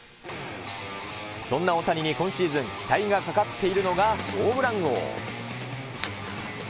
そんな大谷に今シーズン、期待がかかっているのがホームラン王。